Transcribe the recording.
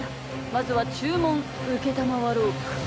まずは注文承ろうか。